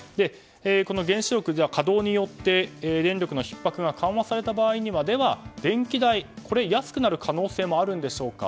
原子力の稼働によって電力のひっ迫が緩和された場合には、電気代は安くなる可能性もあるんでしょうか。